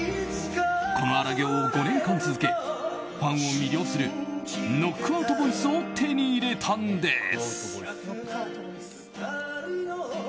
この荒行を５年間続けファンを魅了するノックアウトボイスを手に入れたんです。